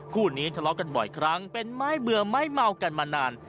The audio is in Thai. คู่นี้ทะเลาะกันบ่อยครั้งเป็นไม้เบื่อไม้เมากันมานาน